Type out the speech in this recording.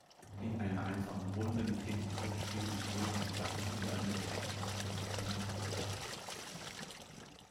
In einer einfachen Runde mit Hin- und Rückspiel wurden die Staffelsieger ermittelt.